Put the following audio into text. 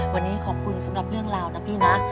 วันนี้ขอบคุณสำหรับเรื่องราวนะพี่นะ